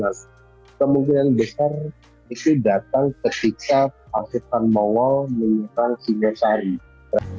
kini memiliki banyak variasi seperti hakau kuotie dan olahan pangsit lainnya